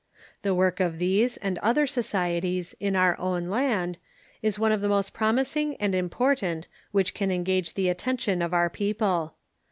The work of these and other societies in our own land is one of the most promising and important which can engage the attention of our people.